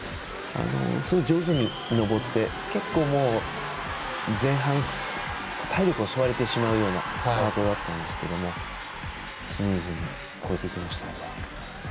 すごい上手に登って結構、前半体力を吸われてしまうようなパートだったんですがスムーズに超えていきましたね。